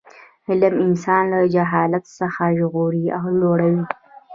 علم انسان له جهالت څخه ژغوري او لوړوي.